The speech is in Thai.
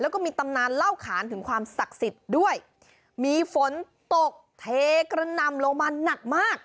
แล้วก็มีตำนานเล่าขานถึงความศักดิ์สิทธิ์ด้วยมีฝนตกเทกระนำลงมาหนักมาก